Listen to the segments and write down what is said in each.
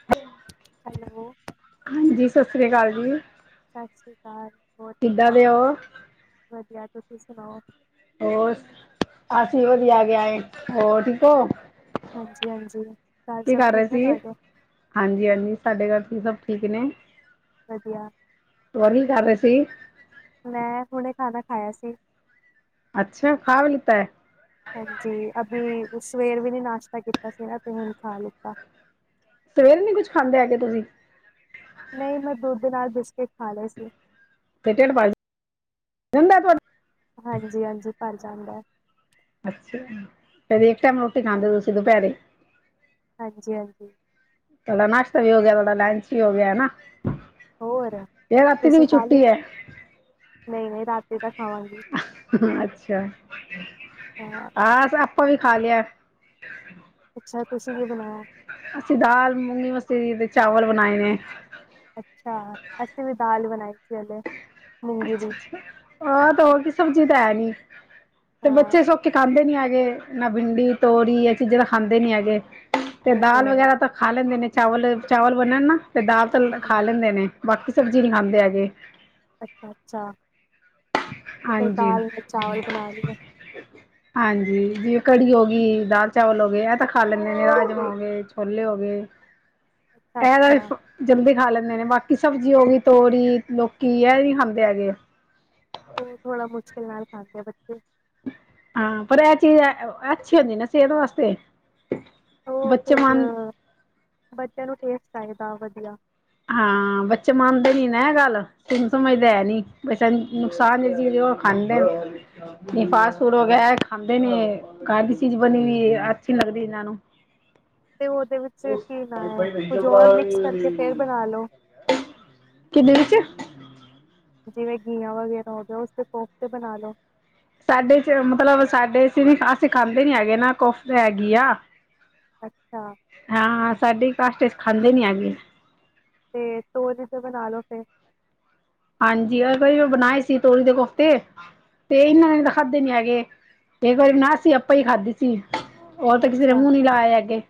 [inaudible] Hello. ਹਾਂਜੀ ਸ਼ਸ੍ਰੀ ਕਾਲ ਜੀ। ਸਸ਼੍ਰੀ ਕਾਲ, ਹੋਰ ਕਿੱਦਾਂ ਕਿਦਾ, ਦੇ ਹੋ ਵਧੀਆ ਤੁਸੀਂ ਸੁਣਾਉ। ਹੋਰ, ਅਸੀਂ ਵਧੀਆ ਗਿਆ ਏ, ਹੋਰ ਠੀਕ ਓ। ਹਾਂਜੀ-ਹਾਂਜੀ। ਕੀ ਕਰ ਰਹੇ ਸੀ, ਹਾਂਜੀ-ਹਾਂਜੀ ਸਾਡੇ ਘਰ 'ਚ' ਵੀ ਸਭ ਠੀਕ ਨੇ। ਵਧੀਆ। [unintelligible] ਕਰ ਰਹੇ ਸੀ। ਮੈਂ ਹੁਣੇ ਖਾਣਾ ਖਾਇਆ ਸੀ। ਅੱਛਾ ਖਾਂ ਵੀ ਲਿੱਤਾ ਐ। ਹਾਂਜੀ, ਅਭੀ ਸਵੇਰ ਵੀ ਨੀ ਨਾਸ਼ਤਾ ਕੀਤਾ ਸੀ ਤੇ ਹੁਣ ਖਾ ਲਿੱਤਾ। ਸਵੇਰ ਨੀ ਕੁਝ ਖਾਂਦੇ ਹੈਗੇ ਤੁਸੀਂ। ਨਹੀਂ ਮੈਂ ਦੁੱਧ ਦੇ ਨਾਲ ਬਿਸਕਿਟ ਖਾ ਲੇ ਸੀ। [unintelligible] ਹਾਂਜੀ-ਹਾਂਜੀ ਭਰ ਜਾਂਦਾ। ਅੱਛਾ ਜੀ, ਫਿਰ ਇੱਕ ਟਾਈਮ ਰੋਟੀ ਖਾਂਦੇ ਤੁਸੀਂ ਦੁਪਹਿਰੇ। ਹਾਂਜੀ-ਹਾਂਜੀ। ਤੁਹਾਡਾ ਨਾਸ਼ਤਾ ਵੀ ਹੋ ਗਿਆ, ਤੁਹਾਡਾ ਲੰਚ ਵੀ ਹੋ ਗਿਆ ਹਨਾ, ਹੋਰ ਇਹ ਰਾਤੀ ਦੀ ਵੀ ਛੁੱਟੀ ਐ। ਨਹੀਂ-ਨਹੀਂ ਰਾਤੀ ਤਾਂ ਖਾਵਾਂਗੀ। ਅੱਛਾ, ਹਾਂ ਆਪਾਂ ਵੀ ਖਾ ਲਿਆ ਅੱਛਾ, ਤੁਸੀਂ ਕੀ ਬਣਾਇਆ ਅਸੀਂ ਦਾਲ, ਮੂੰਗੀ ਮਸਰੀ ਤੇ ਚਾਵਲ ਬਣਾਏ ਨੇ ਅੱਛਾ, ਅਸੀਂ ਵੀ ਦਾਲ ਬਣਾਈ ਸੀ ਹਲੇ ਮੂੰਗੀ ਦੀ ਆ ਤ ਹੋਰ ਕੀ ਤਾਂ ਸਬਜ਼ੀ ਤਾਂ ਹੈ ਨੀ ਤੇ ਹਾਂ ਬੱਚੇ ਸੋਕੇੇ ਖਾਂਦੇ ਨੀ ਹੈਗੇ, ਨਾ ਭਿੰਡੀ ਤੋਰੀ ਇਹ ਚੀਜ਼ਾਂ ਤਾਂ ਖਾਂਦੇ ਨੀ ਹੈਗੇ ਤੇ ਉਹ ਦਾਲ ਹੈ ਵਗੈਰਾ ਹੀ ਤਾਂ ਖਾ ਲੈਂਦੇ ਨੇ ਚਾਵਲ-ਚਾਵਲ ਬਣੇ ਨਾ ਤੇ ਦਾਲ ਤਾਂ ਖਾ ਹਮ, ਲੈਂਦੇ ਨੇ ਬਾਕੀ ਸਬਜ਼ੀ ਨੀ ਖਾਂਦੇ ਹੈਗੇ ਅੱਛਾ-ਅੱਛਾ ਤੇ ਫ਼ਿਰ ਹਾਂਜੀ ਦਾਲ ਨਾਲ ਚਾਵਲ ਬਣਾ ਲਈ ਓ ਹਾਂਜੀ, ਜਿਵੇਂ ਕੜੀ ਹੋ ਗੀ, ਦਾਲ ਚਾਵਲ ਹੋ ਗਏ, ਇਹ ਤਾਂ ਖਾ ਲੈਂਣੇ ਨੇ ਰਾਜਮਾਂਹ ਹੋ ਗੇ, ਛੋਲੇ ਹੋ ਗੇ ਅੱਛਾ-ਅੱਛਾ ਇਹ ਤਾਂ ਜਲਦੀ ਖਾ ਲੈਂਦੇ ਨੇ ਬਾਕੀ ਸਬਜ਼ੀ ਹੋ ਗਈ ਤੋਰੀ, ਲੋਕੀ ਇਹ ਨੀ ਖਾਂਦੇ ਹੈਗੇ ਉਹ ਥੋੜ੍ਹਾ ਮੁਸ਼ਕਿਲ ਨਾਲ਼ ਖਾਂਦੇ ਆ ਬੱਚੇ ਹਾਂ ਪਰ ਇਹ ਚੀਜ਼ ਐ ਅੱਛੀ ਹੁੰਦੀ ਨਾ ਸਿਹਤ ਵਾਸਤੇ ਉਹ ਬੱਚੇ ਫ਼ਿਰ ਮਨ ਬੱਚਿਆਂ ਨੂੰ ਟੇਸਟ ਚਾਹੀਦਾ ਵਧੀਆਂ ਹਾਂ ਬੱਚੇ ਮੰਨਦੇ ਨੀ ਨਾ ਇਹ ਗੱਲ [unintelligible] ਨਹੀਂ ਫਾਸਟ ਫੂਡ ਹੋਗਿਆ ਐ ਖਾਂਦੇ ਨੇ ਐ ਘਰ ਦੀ ਚੀਜ਼ ਬਣੀ ਵੀਈ ਅੱਛੀ ਨੀ ਲੱਗਦੀ ਇਹਨਾਂ ਨੂੰ ਤੇ ਉਹਦੇ ਵਿੱਚ ਕੀ ਨਾ ਹੈ ਕੁਝ ਹੋਰ ਮਿਕਸ ਕਰਕੇ ਫ਼ੇਰ ਬਣਾ ਲੋ ਕਿਦੇ ਵਿੱਚ ਜਿਵੇਂ ਗੀਆਂ ਵਗੈਰਾ ਹੋ ਗਿਆ ਉਸਦੇ ਕੋਫ਼ਤੇ ਬਣਾ ਲੋ ਸਾਡੇ 'ਚ' ਮਤਲਬ ਸਾਡੇ 'ਚ' ਨ ਅਸੀਂ ਖਾਂਦੇ ਨੀ ਹੈਗੇ ਨਾ ਕੋਫ਼ਤੇ ਹੈਗੀ ਆ ਅੱਛਾ ਹਾਂ-ਹਾਂ, ਸਾਡੇ ਕਾਸ਼ਟ ਖਾਂਦੇ ਨੀ ਹੈਗੇ ਤੇ [unintelligible] ਬਣਾ ਲੋ ਫੇ਼ਰ ਹਾਂਜੀ, ਇੱਕ ਵਾਰੀ ਮੈਂ ਬਣਾਏ ਸੀ ਤੋਰੀ ਦੇ ਕੋਫ਼ਤੇ ਤੇ ਇਹਨਾਂ ਨੇ ਤਾਂ ਖਾਧੇ ਨੀ ਹੈਗੇ, ਕਈ ਵਾਰੀ [unintelligible] ਆਪਾਂ ਹੀ ਖਾਧੀ ਸੀ ਔਰ ਤਾਂ ਕਿਸੇ ਨੇ ਅੱਛਾ ਮੂੰਹ ਨੀ ਲਿਆ ਅੱਗੇ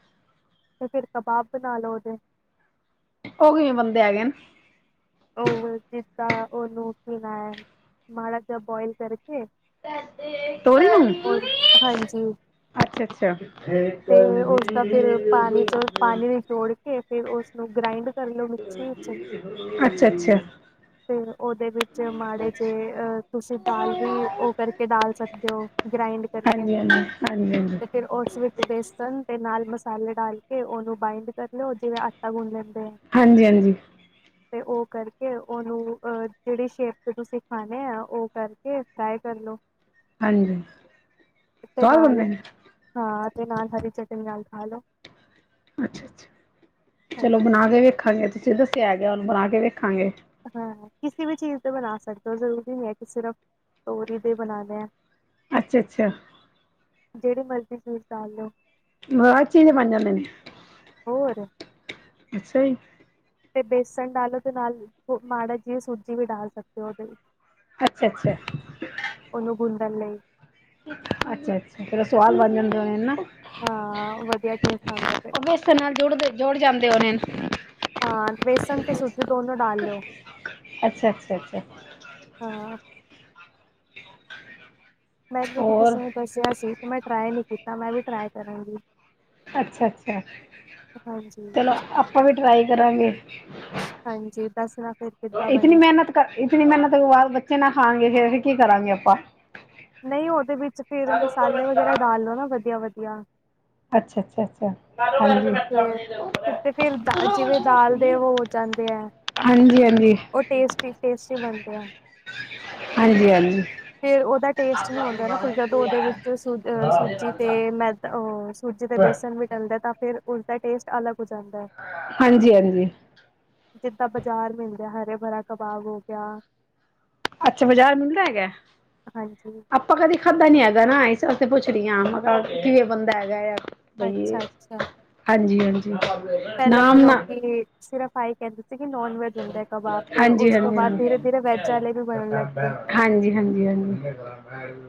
ਤੇ ਫ਼ਿਰ ਕਬਾਬ ਬਣਾ ਲਉ ਉਹਦੇ ਉਹ ਕਿਵੇਂ ਬਣਦੇ ਹੈਗੇ ਨੇ ਉਹ ਜਿਸਦਾਂ ਉਹਨੂੰ ਕੀ ਨਾ ਏ ਮਾੜਾ ਜਿ ਬੋਇਲ ਕਰਕੇ ਤਾਡੇ, ਤੋਰੀ ਨੂੰ ਵੀ [unintelligible] ਹਾਂਜੀ ਅੱਛਾ ਤੇ ਉਸਦਾ ਫ਼ਿਰ ਪਾਣੀ 'ਚ' ਪਾਣੀ ਚੋੜ ਕੇ ਫੇ਼ਰ ਉਸਨੂੰ ਗ੍ਰਾਇੰਡ ਕਰ ਲਓ ਮਿਕਸੀ ਅੱਛਾ-ਅੱਛਾ ਫ਼ੇਰ ਉਹਦੇ ਵਿੱਚ ਮਾੜੇ ਜੇ ਆ ਤੁਸੀਂ ਦਾਲ ਵੀ ਉਹ ਕਰਕੇ [unintelligible] ਸਕਦੇ ਹੋ ਗ੍ਰਾਈੰਡ ਕਰਕੇ ਹਾਂਜੀ ਹਾਂਜੀ ਹਾਂਜੀ ਫੇ਼ਰ ਉਸ ਵਿੱਚ ਵੇਸਣ ਤੇ ਨਾਲ਼ ਮਸਾਲੇ ਡਾਲ ਕੇ ਉਹਨੂੰ ਬਾਈੰਡ ਕਰ ਲਿਉ [unintelligible] ਗੁਣ ਲੈਂਦੇ ਆ ਹਾਂਜੀ [inaudible] ਤੇ ਉਹ ਕਰਕੇ ਉਹਨੂੰ ਜਿਹੜੀ ਸ਼ੇਪ 'ਤੇ ਤੁਸੀਂ ਖਾਣੇ ਆ ਉਹ ਕਰਕੇ ਫ਼ਰਾਈ ਕਰ ਲਉ ਹਾਂਜੀ। ਤੇ ਸਵਾਦ ਨਾਲ਼ ਬਣਦੇ ਨੇ ਅ ਤੇ ਨਾਲ਼ ਹਰੀ ਚਟਨੀ ਨਾਲ਼ ਖਾ ਲੋ ਅੱਛਾ-ਅੱਛਾ ਚਲੋ ਹਾਂਜੀ ਬਣਾ ਕੇ ਵੇਖਾਂਗੇ ਤੁਸੀਂ ਦੱਸਿਆਂ ਗਿਆ ਉਹਨੂੰ ਬਣਾ ਕੇ ਵੇਖਾਂਗੇ ਹਾਂ ਕਿਸੇ ਵੀ ਚੀਜ਼ ਤੇ ਬਣਾ ਸਕਦੇ ਓ ਜ਼ਰੂਰੀ ਨਹੀਂ ਐ ਕਿ ਸਿਰਫ਼ ਤੋਰੀ ਦੇ ਬਣਾ ਲਿਆ। ਅੱਛਾ-ਅੱਛਾ। ਜਿਹੜੇ ਮਰਜ਼ੀ ਫਰੂਟਸ ਡਾਲ ਲਉ [unintelligible] ਹੋਰ। ਅੱਛਾ ਜੀ। ਤੇ ਵੇਸਨ ਡਾਲੋ ਨਾਲ ਮਾੜਾ ਜਿਆ ਸੂਜੀ ਵੀ ਡਾਲ ਸਕਦੇ ਉਹਦੇ ਵਿੱਚ ਅੱਛਾ-ਅੱਛਾ। ਉਹਨੂੰ ਗੁੰਦਨ ਲਈ। ਅੱਛਾ-ਅੱਛਾ ਫਿਰ ਉਹ ਸੁਆਦ ਬਣ [unintelligible] ਹਾਂ, ਵਧੀਆ ਟੇਸਟ ਆਂਦਾ ਫਿਰ। ਇਸ ਨਾਲ ਜੁੜਦੇ-ਜੁੜ ਜਾਂਦੇ ਹੋਣੇ। ਹਾਂ, ਬੇਸਣ ਤੇ [unintelligible] ਦੋਨੋ ਡਾਲ ਲੋ। ਅੱਛਾ-ਅੱਛਾ, ਅੱਛਾ। ਹਾਂ। ਮੈਂਨੂੰ ਵੀ ਹੋਰ ਕਿਸੇ ਨੂੰ ਦੱਸਿਆ ਸੀ ਤੇ ਮੈਂ ਟ੍ਰਈ ਨਹੀਂ ਕੀਤਾ ਮੈਂ ਵੀ ਟ੍ਰਈ ਕਰਾਂਗੀ। ਅੱਛਾ-ਅੱਛਾ, ਹਾਂਜੀ ਚਲੋ ਆਪਾਂ ਵੀ ਟਰਾਈ ਕਰਾਂਗੇ। ਹਾਂਜੀ, [unintelligible] ਇਤਨੀ ਬਣੇ ਮਿਹਨਤ ਕਰ, ਇਤਨੀ ਮਿਹਨਤ ਬਾਅਦ ਬੱਚੇ ਨਾ ਖਾਣ ਗੇ। ਫਿਰ ਕੀ ਕਰਾਂਗੇ ਆਪਾਂ। ਨਹੀਂ ਉਹਦੇ ਵਿੱਚ ਫਿਰ ਮਸਾਲੇ ਵਗੈਰਾ ਡਾਲ ਲੋ ਨਾ ਵਧੀਆ-ਵਧੀਆ। ਅੱਛਾ-ਅੱਛਾ, ਅੱਛਾ, ਛਾ ਫੇਰ, ਤੇ ਫਿਰ ਦ ਜਿਵੇਂ ਦਾਲ ਦੇ ਉਹ ਹੋ ਜਾਂਦੇ ਐ। ਹਾਂਜੀ-ਹਾਂਜੀ ਉਹ ਟੇਸਟੀ-ਟੇਸਟੀ ਬਣਦੇ ਆ। ਹਾਂਜੀ-ਹਾਂਜੀ। ਫ਼ਿਰ ਉਹਦਾ ਟੇਸਟ ਨੀ ਆਉਂਦਾ ਨਾ ਫਿਰ ਜਦੋਂ ਉਹਦੇ ਵਿੱਚ ਸੂਜੀ ਤੇ ਮੈਦਾ ਉਹ ਸੂਜੀ ਦੇ ਬੇਸਨ ਵੀ ਡਲਦਾ ਤਾਂ ਫਿਰ ਉਸਦਾ ਟੇਸਟ ਅਲੱਗ ਹੋ ਜਾਂਦਾ। ਹਾਂਜੀ-ਹਾਂਜੀ। ਜਿੱਦਾ ਬਾਜ਼ਾਰ ਮਿਲਦਾ ਆ ਹਰੇ ਭਰਾ ਕਬਾਬ ਹੋ ਗਿਆ। ਅੱਛਾ, ਬਾਜ਼ਾਰ ਮਿਲਦਾ ਹੈਗਾ। ਹਾਂਜੀ ਆਪਾਂ ਕਦੇ ਖਾਧਾ ਨੀ ਹੈਗਾ ਨਾ, ਇਸ ਵਾਸਤੇ ਪੁੱਛ ਰਹੀ ਐ। ਮੈਂ ਕਿਵੇਂ ਬਣਦਾ ਹੈਗਾ ਆ। ਅੱਛਾ-ਅੱਛਾ। ਹਾਂਜੀ-ਹਾਂਜੀ, ਨਾਮ ਨਾ ਲੋਕੀ ਸਿਰਫ [unintelligible] ਕਹਿੰਦੀ। ਲੇਕਿਨ ਨੋਨ ਵੈਜ ਹੁੰਦੇ ਆ ਕਬਾਬ, ਤੇ ਹਾਂਜੀ ਉਸ ਤੋਂ ਹਾਂਜੀ ਹਾਂਜੀ ਬਾਅਦ ਦੀਰੇ-ਦੀਰੇ ਵੈਜ ਆਲੇ ਵੀ ਬਣਨ ਲੱਗ ਗੇ। ਹਾਂਜੀ-ਹਾਂਜੀ, ਹਾਂਜੀ।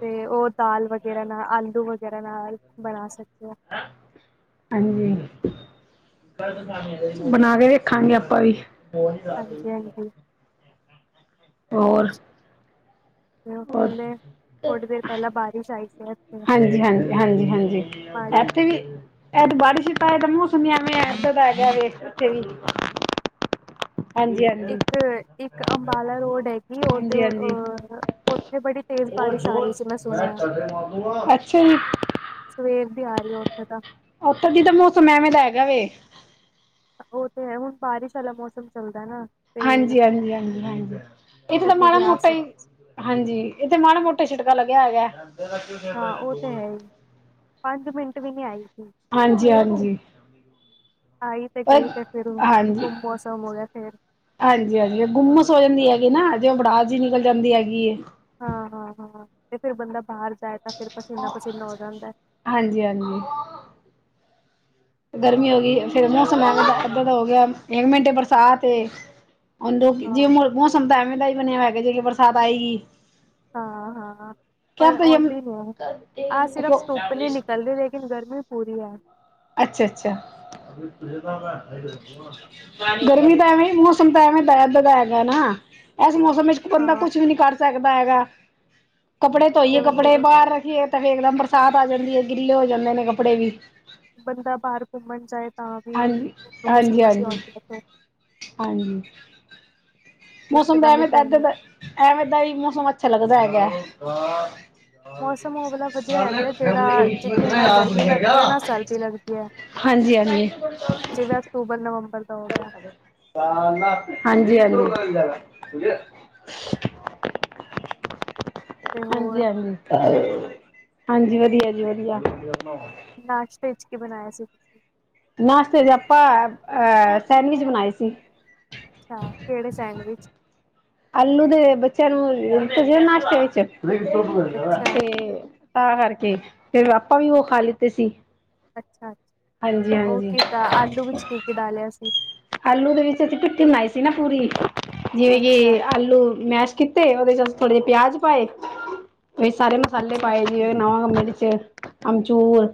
ਤੇ ਉਹ ਦਾਲ ਵਗੈਰਾ ਨਾ, ਆਲੂ ਵਗੈਰਾ ਨਾਲ ਬਣਾ ਸਕਦੇ ਆ। ਹਾਂਜੀ, ਬਣਾ ਕੇ ਦੇਖਾਂਗੇ ਆਪਾ ਵੀ। ਹਾਂਜੀ-ਹਾਂਜੀ। ਹੋਰ। [unintelligible] ਹੋਰ ਥੋੜੀ ਦੇਰ ਪਹਿਲਾਂ ਬਾਰਿਸ਼ ਆਈ ਸੀ। ਇੱਥੇ ਹਾਂਜੀ-ਹਾਂਜੀ, ਹਾਂਜੀ-ਹਾਂਜੀ, ਮਾੜੀ ਇੱਥੇ ਜੀ। ਵੀ ਏਹ ਬਾਰਿਸ਼ ਤਾਂ ਇਹ ਤਾਂ ਮੌਸਮ ਈਂ ਇਵੇਂ ਐਂ, ਏਦਾ ਦਾ ਹੈਗਾ ਵੇਖ ਉਥੇ ਵੀ ਹਾਂਜੀ ਹਾਂਜੀ ਇੱਕ, ਇੱਕ ਅੰਬਾਲਾ ਰੋਡ ਕਿ ਹਾਂਜੀ ਹਾਂਜੀ [unintelligible] ਉੱਥੇ ਬੜੀ ਤੇਜ਼ ਬਾਰਿਸ਼ ਆ ਰਹੀ ਸੀ। ਮੈਂ ਸੁਣਿਆ [inaudible] ਅੱਛਾ ਜੀ ਸਵੇਰ ਦੀ ਆ ਰਹੀ ਉੱਥੇ ਤਾਂ। ਉੱਥੋਂ ਦੀ ਤਾਂ ਮੌਸਮ ਐਵੇਂ ਦਾ ਹੈਗਾ ਵੇ ਉਹ ਤੇ ਹੈ ਹੁਣ ਬਾਰਿਸ਼ ਆਲਾ ਮੌਸਮ ਚੱਲਦਾ ਨਾ। ਤੇ ਹਾਂਜੀ-ਹਾਂਜੀ, ਹਾਂਜੀ-ਹਾਂਜੀ, ਏਥੇ ਤਾਂ ਕਦੀ ਵੀ ਆ ਮਾੜਾ-ਮੋਟਾ ਸਕ ਈ। ਹਾਂਜੀ, ਇਹ ਤਾ ਮਾੜਾ-ਮੋਟਾ ਛਿੜਕਾ ਲੱਗਿਆ ਹੈਗਾ। ਹਾਂ ਉਹ ਤੇ ਹੈ ਈ ਪੰਜ ਮਿੰਟ ਵੀ ਨੀ ਆਈ ਸੀ। ਹਾਂਜੀ-ਹਾਂਜੀ। ਆਈ ਤੇ ਗਈ ਤੇ ਫਿਰ ਗੁੰਮ ਮੌਸਮ ਹੋ ਗਿਆ ਫੇਰ। ਹਾਂਜੀ-ਹਾਂਜੀ ਗੁੰਮਸ ਹੋ ਜਾਂਦੀ ਹੈਗੀ ਨਾ ਜੇ ਉਹ ਬੜਾਸ ਜੀ ਨਿਕਲ ਜਾਂਦੀ ਹੈਗੀ। ਹਾਂ, ਹਾਂ-ਹਾਂ ਤੇ ਫੇਰ ਬੰਦਾ ਬਾਹਰ ਜਾਏ ਤਾਂ ਫਿਰ ਪਸੀਨਾ ਪਸੀਨਾ ਹੋ ਜਾਂਦਾ। ਹਾਂਜੀ-ਹਾਂਜੀ। ਗਰਮੀ ਹੋ ਗਈ ਫੇਰ ਮੌਸਮ ਐਦਾਂ ਦਾ ਹੋ ਗਿਆ ਇੱਕ ਮਿੰਟੇ ਬਰਸਾਤ ਤੇ ਹੁਣ ਦ ਜੇ ਹਾਂ ਮੌਸਮ ਤਾਂ ਐਵੇਂ ਦਾ ਹੀ ਬਣਿਆ ਹੋਇਗਾ ਜੇ ਬਰਸਾਤ ਆਏਗੀ। ਹਾਂ, ਹਾਂ ਕਿਆ ਪਰ ਪਤਾ ਯੇ ਆਉਂਦੀ ਨੀ। ਆਹ ਸਿਰਫ਼ ਧੁੱਪ ਨ ਨਿਕਲ ਰਹੀ ਲੇਕਿਨ ਗਰਮੀ ਪੂਰੀ ਐ। ਅੱਛਾ-ਅੱਛਾ [unintelligible] [unintelligible] ਗਰਮੀ ਤਾਂ ਐਵੇਂ ਮੌਸਮ ਤਾਂ ਐਵੇਂ ਦਾ ਏਦਾਂ ਦਾ ਹੈਗਾ ਨਾ ਇਸ ਮੌਸਮ ਵਿੱਚ ਬੰਦਾ ਕੁਛ ਵੀ ਨੀ ਕਰ ਸਕਦਾ ਹੈਗਾ [inaudible] ਕੱਪੜੇ ਧੋਈਏ, ਕੱਪੜੇ ਬਾਹਰ ਰੱਖੀਏ ਫੇਰ ਇਕਦਮ ਬਰਸਾਤ ਆ ਜਾਂਦੀ ਆ ਗਿੱਲੇ ਹੋ ਜਾਂਦੇ ਨੇ ਕੱਪੜੇ ਵੀ। ਬੰਦਾ ਬਾਹਰ ਘੁੰਮਣ ਜਾਏ ਤਾਂ ਵੀ, ਹਾਂਜੀ, ਹਾਂਜੀ, ਮੁਸੀਬਤ ਹੀ ਹਾਂਜੀ, ਆਉਂਦੀ ਰੇ। ਹਾਂਜੀ। ਮੌਸਮ ਦਾ ਇਕਦਮ ਹੀ ਐਵੇਂ ਏਦਾਂ ਗਰਮੀ ਦਾ ਐਵੇਂ ਦਾ ਹੀ ਮੌਸਮ ਅੱਛਾ ਲੱਗਦਾ ਹੈਗਾ। ਮੌਸਮ ਉਹ ਵਾਲਾ ਵਧੀਆ ਰਹਿੰਦਾ ਜਿਹੜਾ ਜਿੱਥੇ ਨਾ ਗਰਮੀ [unintelligible] ਲੱਗਦੀ ਹੈ ਨਾ ਸਰਦੀ ਲੱਗਦੀ ਹੈ ਹਾਂਜੀ-ਹਾਂਜੀ [unintelligible] ਜਿਵੇਂ ਅਕਤੂਬਰ ਨਵੰਬਰ ਦਾ ਹੋ ਗਿਆ। [unintelligible] ਹਾਂਜੀ-ਹਾਂਜੀ [unintelligible] ਤੇ ਹੋਰ ਹਾਂਜੀ-ਹਾਂਜੀ, ਹਾਂਜੀ ਵਧੀਆ ਜੀ ਵਧੀਆ। ਨਾਸਤੇ 'ਚ' ਕੀ ਬਣਾਇਆ ਸੀ ਤੁਸੀਂ? ਨਾਸ਼ਤੇ 'ਚ' ਆਪਾਂ ਅ ਸੈਂਡਵਿਚ ਬਣਾਏ ਸੀ। ਅੱਛਾ, ਕਿਹੜੇ ਸੈਂਡਵਿਚ ਆਲੂ ਦੇ ਬੱਚਿਆਂ ਨੂੰ ਨਾਸ਼ਤੇ ਵਿੱਚ ਅੱਛਾ [unintelligible] ਤੇ ਤਾਂ ਕਰਕੇ, ਫਿਰ ਆਪਾ ਵੀ ਉਹ ਖਾ ਲਿੱਤੇ ਸੀ। ਹਾਂਜੀ ਅੱਛਾ-ਅੱਛਾ [inaudible] ਹਾਂਜੀ ਓਕੇ ਤਾਂ ਆਲੂ ਵਿੱਚ ਕੀ-ਕੀ ਡਾਲਿਆ ਸੀ? ਆਲੂ ਦੇ ਵਿੱਚ ਅਸੀਂ ਭਿੱਟੀ ਬਣਾਈ ਸੀ ਨਾ ਪੂਰੀ ਜੇ-ਜੇ, ਅੱਛਾ ਆਲੂ, ਮੈਸ਼ ਕੀਤੇ ਉਹਦੇ 'ਚ' ਅਸੀਂ ਥੋੜੇ ਜਿਹੇ ਪਿਆਜ ਪਾਏ ਵਿੱਚ ਸਾਰੇ ਮਸਾਲੇ ਅੱਛਾ ਪਾਏ ਜੀ ਨੂਨ, ਮਿਰਚ ਅਮਚੂਰ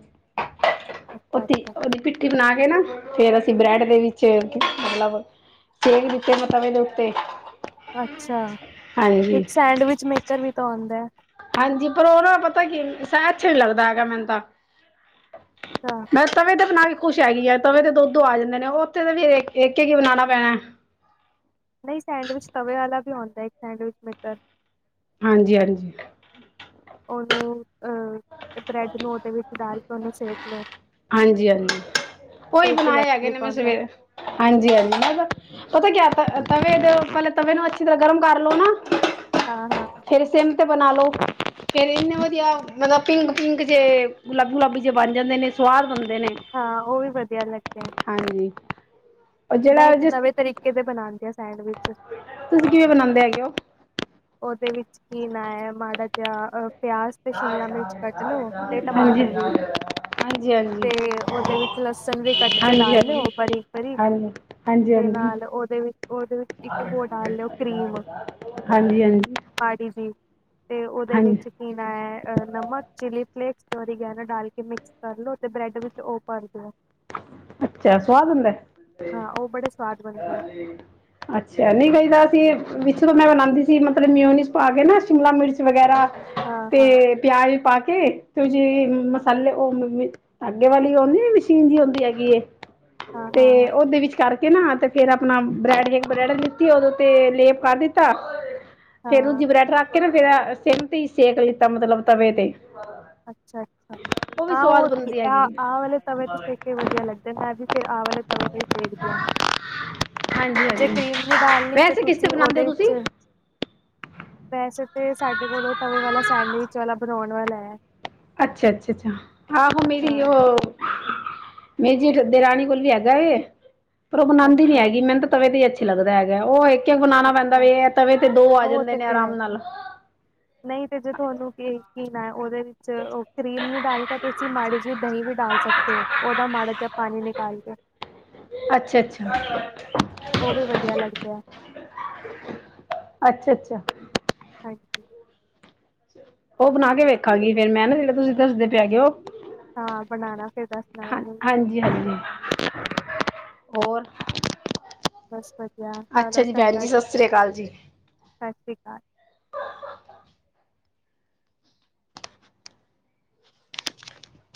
ਅੱਛਾ ਅੱਛਾ [unintelligible] ਭਿੱਟੀ ਬਣਾ ਕੇ ਨਾ, ਫ਼ੇਰ ਅਸੀਂ ਬ੍ਰੈਡ ਦੇ ਵਿੱਚ ਸੇਕ, ਮਤਲਬ ਸੇਕ ਦਿੱਤੇ ਮਤਲਬ ਤਵੇ ਉੱਤੇ ਅੱਛਾ [inaudible] ਇੱਕ ਹਾਂਜੀ ਸੈਂਡਵਿਚ ਮੇਕਰ ਵੀ ਤਾਂ ਆਉਂਦਾ। ਹਾਂਜੀ ਪਰ ਉਹਨਾਂ ਪਤਾ ਕੀ ਅੱਛਾ ਵੀ ਲੱਗਦਾ ਹੈਗਾ ਮੈਨੂੰ ਤਾਂ [inaudible] ਚਾ। ਮੈਂ ਤਵੇ ਤੇ ਬਣਾ ਕੇ ਖੁਸ਼ ਹੈਗੀਏ ਤਵੇ ਦੇ ਦੋ-ਦੋ ਆ ਜਾਂਦੇ ਨੇ ਉਹ ਉੱਥੇ ਤਾਂ ਫਿਰ ਇੱਕ-ਇੱਕ ਹੀ ਬਣਾਣਾ ਪੈਣਾ। ਨਹੀਂ ਸੈਂਡਵਿਚ ਤਵੇ ਵਾਲਾ ਵੀ ਆਉਂਦਾ ਇੱਕ ਸੈਂਡਵਿਚ ਮੇਕਰ ਹਾਂਜੀ-ਹਾਂਜੀ। ਉਹਨੂੰ, ਅਹ, ਬ੍ਰੈਡ ਨੂੰ ਉਹਦੇ ਵਿੱਚ ਡਾਲ ਕੇ ਉਹਨੂੰ ਸੇਕ ਲੋ। ਹਾਂਜੀ-ਹਾਂਜੀ [unintelligible] ਬਣਾਏ ਹੈਗੇ ਨੇ ਇਲੈਕਟ੍ਰਿਕ ਮੈਂ ਆਉਂਦਾ ਸਵੇਰੇ ਹਾਂਜੀ-ਹਾਂਜੀ ਪਤਾ ਕਿਆ ਤਵੇ ਦੇ ਪਹਿਲੇ ਤਵੇ ਨੂੰ ਅੱਛੀ ਤਰ੍ਹਾਂ ਗਰਮ ਕਰ ਲੋ ਨਾ। ਹਾਂ-ਹਾਂ। ਫਿਰ ਸਿਮ 'ਤੇ ਬਣਾ ਲਉ ਫਿਰ ਇੰਨੇ ਵਧੀਆ ਮਤਲਬ ਪਿੰਕ-ਪਿੰਕ ਜੇ ਗੁਲਾਬੀ-ਗੁਲਾਬੀ ਜੇ ਬਣ ਜਾਂਦੇ ਨੇ। ਸੁਆਦ ਬਣਦੇ ਨੇ। ਹਾਂ ਉਹ ਵੀ ਵਧੀਆ ਲੱਗਿਆ। ਹਾਂਜੀ ਉਹ ਮੈਂ ਜਿਹੜਾ ਇੱਕ ਜਿਸ ਨਵੇਂ ਤਰੀਕੇ ਦੇ ਬਣਾਦੇ ਆਂ ਸੈਂਡਵਿਚ। [unintelligible] ਤੁਸੀਂ ਕਿਵੇਂ ਬਣਾਉਂਦੇ ਹੈਗੇ ਹੋ? ਉਹਦੇ ਵਿੱਚ ਕੀ ਮੈ ਮਾੜਾ ਜਿਹਾ ਅ ਪਿਆਜ ਤੇ ਸ਼ਿਮਲਾ ਮਿਰਚ ਕੱਟ ਲੋ ਤੇ ਹਾਂਜੀ ਟਮਾਟਰ ਵੀ। ਹਾਂਜੀ ਹਾਂਜੀ ਹਾਂਜੀ ਹਾਂਜੀ ਤੇ ਉਹਦੇ ਵਿੱਚ ਲਸਣ ਵੀ ਕੱਟ ਕੇ ਡਾਲ ਲਿਓ, ਬਾਰੀਕ - ਬਾਰੀਕ। ਹਾਂਜੀ ਹਾਂਜੀ ਤੇ ਹਾਂਜੀ ਨਾਲ ਉਹਦੇ ਵਿੱਚ ਉਹਦੇ ਵਿੱਚ ਇੱਕ ਬੋ ਡਾਲ ਲਿਓ ਕਰੀਮ। ਹਾਂਜੀ-ਹਾਂਜੀ ਪਾੜੀ ਸੀ ਤੇ ਉਹਦੇ ਵਿੱਚ ਮੈਂ ਨਮਕ, ਚਿਲੀ ਪਲੈਕਸ ਤੇ ਉਹਦੀ ਗਲ ਡਾਲ ਕੇ ਮਿਕਸ ਕਰ ਲੋ ਤੇ ਬ੍ਰੈਡ ਵਿੱਚ ਉਹ ਭਰ ਦਿਓ। ਅੱਛਾ, ਸੁਆਦ ਹੁੰਦਾ? ਹਾਂ, ਉਹ ਬੜੇ ਸਵਾਦ ਬਣਦੇ ਆ। ਠੀਕ ਅੱਛਾ ਨਹੀਂ ਵਹਿਦਾ ਅਸੀ ਵਿੱਚ ਮਿਕਸਰ ਮੈਂ ਬਣਾਉਂਦੀ ਸੀ, ਮਤਲਬ ਮਿਉਨੀਸ ਪਾ ਕੇ ਨਾ ਸ਼ਿਮਲਾ ਮਿਰਚ ਵਗੈਰਾ। ਹਾਂ ਹਾਂ ਤੇ ਪਿਆਜ ਪਾ ਕੇ ਤੇ ਜਿ ਅ ਮਸਾਲੇ ਉਹ ਮ-ਮ ਆਦੇ ਵਾਲੀ ਉਹਦੀ ਵੀ ਮਸ਼ੀਨ ਜੀ ਹੁੰਦੀ ਹੈਗੀ ਏ ਹਾਂ ਤੇ ਹਾਂ ਹਾਂ ਉਹਦੇ ਵਿੱਚ ਕਰਕੇ ਨਾ ਤੇ ਫਿਰ ਆਪਣਾ ਬ੍ਰੈਡ ਜ ਬ੍ਰੈਡ ਲਿੱਤੀ, ਉਹਦੋਂ ਤੇ ਲੇਪ ਕਰ ਦਿੱਤਾ। ਫੇਰ ਹਾਂ ਦੂਜੀ ਬਰੈਡ ਰੱਖ ਕੇ ਨਾ ਫਿਰ ਸਿਮ ਤੇ ਹੀ ਸੇਕ ਲਿੱਤਾ ਮਤਲਬ ਤਵੇ ਤੇ। ਅੱਛਾ-ਅੱਛਾ, ਵੀ ਹਾਂ ਸਵਾਦ ਉਹ ਬਣਦੀ ਆ ਹੈਗੀ ਵਾਲ ਤਵੇ ਤੇ ਸੇਕੇ ਵ ਵਧੀਆ ਲੱਗਦੈ, ਮੈਂ ਫਿਰ ਅਸੀਂ ਆ ਵਾਲੇ ਤਵੇ ਤੇ ਸੇਕਦੇ ਆ, ਹਾਂਜੀ ਜੇ ਹਾਂਜੀ ਕਰੀਮ ਨੀ ਡਾਲਣੀ ਤੇ ਵੈਸੇ ਕਿਸ ਤੁਸੀਂ ਬਣਾਉਂਦੇ ਉਹਦੇ ਹੋ ਵਿੱਚ ਤੁਸੀਂ ਵੈਸੇ ਤੇ ਸਾਡੇ ਕੋਲੋਂ ਤਵੇ ਵਾਲਾ ਸੈਂਡਵਿਚ ਵਾਲਾ ਬਣਾਉਣ ਵਾਲਾ ਹੈ। ਅੱਛਾ-ਅੱਛਾ-ਅੱਛਾ, ਹਾਂ ਮੇਰੀ ਹਾਂ ਉਹ ਮੇਰੀ ਜੇ ਦੇਰਾਣੀ ਕੋਲ ਵੀ ਹੈਗਾ ਏ, ਪਰ ਉਹ ਬਣਾਦੀ ਨੀ ਅੱਛਾ ਹੈਗੀ। ਮੈਨੂੰ ਤਾਂ ਤਵੇ ਤੇ ਅੱਛੀ ਲੱਗਦਾ ਹੈਗਾ। ਉਹ ਇੱਕ-ਇੱਕ ਬੁਣਾਉਣਾ ਪੈਂਦਾ, ਅੱਛਾ ਵੀ ਤਵੇ ਤੇ ਦੋ ਆ ਉਹ ਜਾਂਦੇ ਤੇ ਨੇ ਫਿਰ ਹੈ ਆਰਾਮ ਨਾਲ। [inaudible] ਨਹੀਂ ਤੇ ਜੇ ਤੁਹਾਨੂੰ ਕੀ-ਕੀ ਨਾ ਉਹਦੇ ਵਿੱਚ ਉਹ ਕਰੀਮ ਨਹੀਂ ਡਾਲਨੀ ਤੇ ਤੁਸੀਂ ਮਾੜੀ ਜਿਹੀ ਦਹੀਂ ਵੀ ਡਾਲ ਸਕਦੇ ਹੋ, ਉਹਦਾ ਮਾੜਾ ਜਿਹਾ ਪਾਣੀ ਨਿਕਾਲ ਕੇ। ਅੱਛਾ-ਅੱਛਾ ਉਹ ਵੀ ਵਧੀਆ ਲੱਗਦੈ। ਅੱਛਾ-ਅੱਛਾ ਹਾਂਜੀ ਉਹ ਬਣਾ ਕੇ ਵੇਖਾਂਗੀ ਫਿਰ ਮੈਂ ਨਾ, ਜਿਹੜਾ ਤੁਸੀਂ ਦੱਸਦੇ ਪੈ ਗਏ ਉਹ। ਹਾਂ ਬਣਾਉਣਾ ਫਿਰ ਦੱਸਣਾ ਹਾਂ, ਮੈਨੂੰ ਹਾਂਜੀ-ਹਾਂਜੀ। ਔਰ ਬਸ ਵਧੀਆ, ਚਲੋ ਚੰਗਾ ਜੀ ਫਿਰ, ਸ੍ਰੀ ਅਕਾਲ ਜੀ ਸਸਰੀ ਅਕਾਲ।